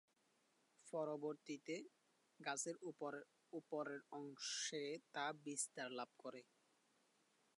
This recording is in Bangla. পরবর্তীতে গাছের উপরের অংশে তা বিস্তার লাভ করে।